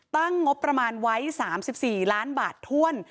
ตั้งงบประมาณไว้๓๔ล้านบาทถ้วน